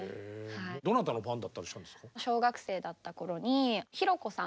どなたのファンだったりしますか？